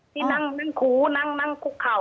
ที่นั่งคูนั่งคุกเข่า